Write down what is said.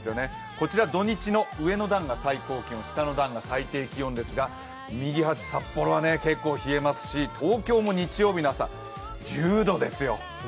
こちら土日の上の段が最高気温下の段が最低気温ですが右端、札幌は結構冷えますし東京も日曜日の朝、１０度ですよ。